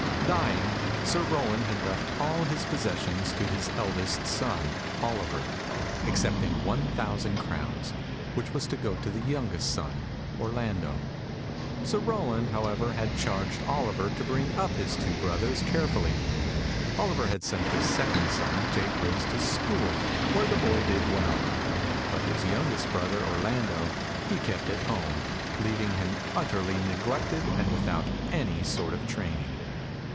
Dying, Sir Rowland had left all his possessions to his eldest son, Oliver, excepting one thousand crowns, which was to go to the youngest son, Orlando. Sir Rowland, however, had charged Oliver to bring up his two brothers carefully. Oliver had sent the second son, Jaques, to school, where the boy did well; but his youngest brother, Orlando, he kept at home, leaving him utterly neglected and without any sort of training.